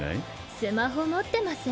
スマホもってません。